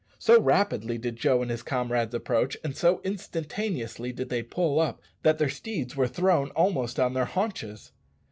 So rapidly did Joe and his comrades approach, and so instantaneously did they pull up, that their steeds were thrown almost on their haunches.